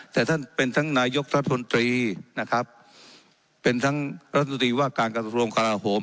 แต่ท่านเป็นทั้งนายกรัฐมนตรีนะครับเป็นทั้งรัฐมนตรีว่าการกระทรวงกราโหม